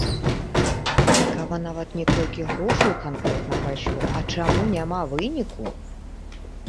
Цікава нават не колькі грошаў канкрэтна пайшло, а чаму няма выніку?!